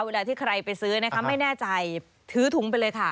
เวลาที่ใครไปซื้อนะคะไม่แน่ใจถือถุงไปเลยค่ะ